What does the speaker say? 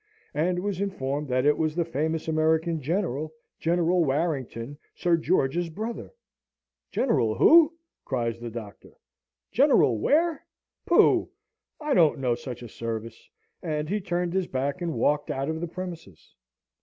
and was informed that it was the famous American General General Warrington, Sir George's brother. "General Who?" cries the Doctor, "General Where? Pooh! I don't know such a service!" and he turned his back and walked out of the premises.